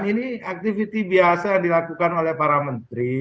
ini aktivitas biasa yang dilakukan oleh para menteri